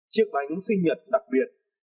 chiếc bánh sinh nhật đặc biệt